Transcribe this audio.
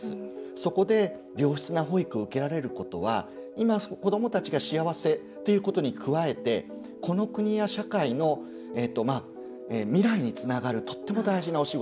そこで良質な保育を受けられることは今、子どもたちが幸せということに加えて、この国や社会の未来につながるとっても大事なお仕事。